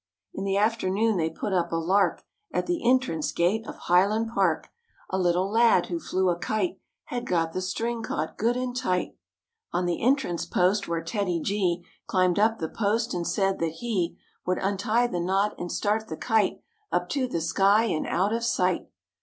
In the afternoon they put up a lark At the entrance gate of High¬ land Park. A little lad who flew a kite Had got the string caught good and tight On the entrance post when TEDDY G Climbed up the post and said that he Would untie the knot and start the kite Up to the sky and out of sight.